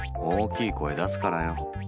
大きい声出すからよ。